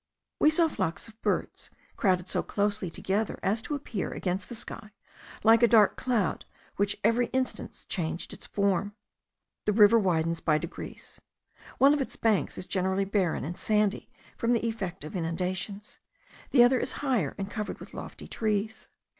We saw flocks of birds, crowded so closely together as to appear against the sky like a dark cloud which every instant changed its form. The river widens by degrees. One of its banks is generally barren and sandy from the effect of inundations; the other is higher, and covered with lofty trees.